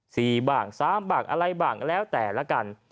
สี่บ้างสามบ้างอะไรบ้างแล้วแต่ละกัน